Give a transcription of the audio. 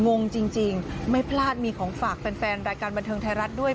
งงจริงไม่พลาดมีของฝากแฟนรายการบันเทิงไทยรัฐด้วย